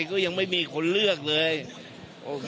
อันนี้จะต้องจับเบอร์เพื่อที่จะแข่งกันแล้วคุณละครับ